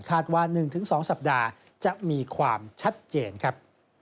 ว่า๑๒สัปดาห์จะมีความชัดเจนครับ